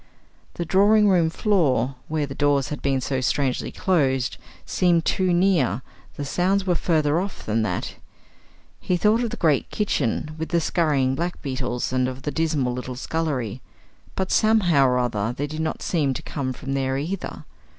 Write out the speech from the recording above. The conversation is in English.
The drawing room floor, where the doors had been so strangely closed, seemed too near; the sounds were further off than that. He thought of the great kitchen, with the scurrying black beetles, and of the dismal little scullery; but, somehow or other, they did not seem to come from there either.